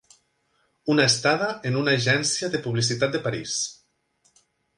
Una estada en una agència de publicitat de París.